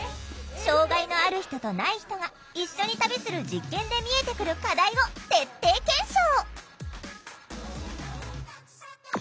障害のある人とない人が一緒に旅する実験で見えてくる課題を徹底検証！